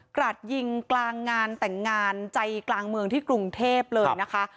ราดยิงกลางงานแต่งงานใจกลางเมืองที่กรุงเทพเลยนะคะ